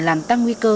làm tăng nguy cơ